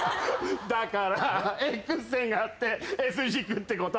だからＸ線があってＳ軸ってこと。